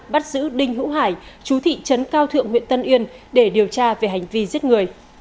bắt giữ đinh hữu hải chú thị trấn cao thượng huyện tân yên để điều tra về hành vi giết người